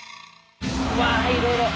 うわいろいろ。